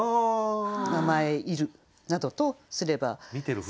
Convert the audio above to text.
「名前入る」などとすれば。